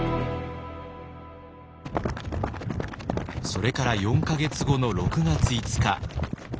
それから４か月後の６月５日。